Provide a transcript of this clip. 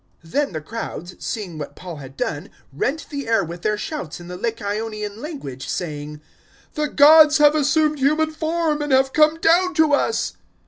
Then the crowds, seeing what Paul had done, rent the air with their shouts in the Lycaonian language, saying, "The gods have assumed human form and have come down to us."